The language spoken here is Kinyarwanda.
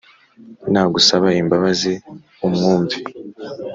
nagusaba imbabazi umwumve